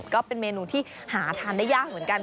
ก็เป็นเมนูที่หาทานได้ยากเหมือนกัน